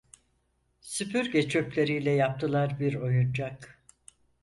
Süpürge çöpleriyle yaptılar bir oyuncak.